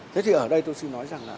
thế thì ở đây tôi xin nói rằng là